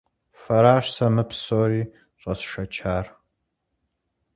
Фэращ сэ мы псори щӀэсшэчар.